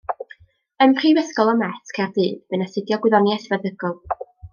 Ym Mhrifysgol y Met, Caerdydd bu'n astudio Gwyddoniaeth Feddygol.